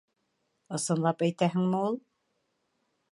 — Ысынлап әйтәһеңме ул?